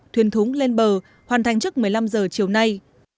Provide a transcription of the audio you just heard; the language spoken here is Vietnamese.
thuyền thúng lên bờ hoàn thành trước một mươi năm h chiều nay